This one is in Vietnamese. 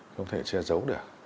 không thể che giấu được